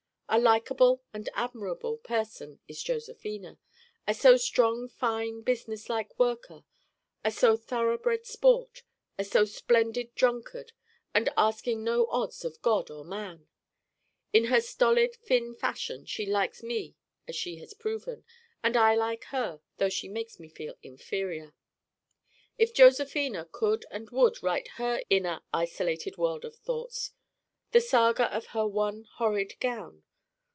A likeable and admirable person is Josephina. A so strong fine businesslike worker, a so thoroughbred sport, a so splendid drunkard, and asking no odds of God or man. In her stolid Finn fashion she likes me as she has proven, and I like her though she makes me feel inferior. if Josephina could and would write her inner isolated world of thoughts the saga of her one horrid gown!